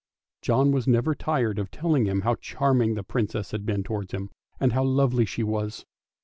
John was never tired of telling him how charming the Princess had been towards him, and how lovely she was.